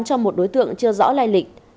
cho một đối tượng chưa rõ lai lịch